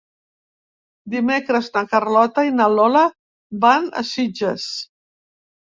Dimecres na Carlota i na Lola van a Sitges.